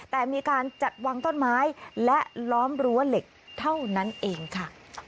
แต่มีการจัดวางต้นไม้และล้อมรั้วเหล็กเท่านั้นเองค่ะ